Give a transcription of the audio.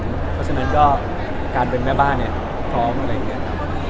เพราะฉะนั้นก็การเป็นแม่บ้านเนี่ยพร้อมอะไรอย่างนี้ครับ